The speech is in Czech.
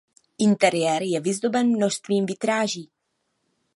Interiér je vyzdoben množstvím vitráží.